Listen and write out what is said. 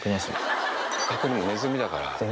不覚にもネズミだから。